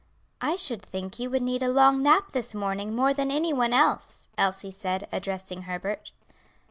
"I should think you would need a long nap this morning more than any one else," Elsie said, addressing Herbert.